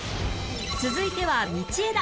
続いては道枝